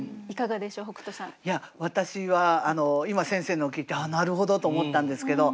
私は今先生のを聞いて「なるほど」と思ったんですけど。